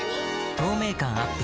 透明感アップ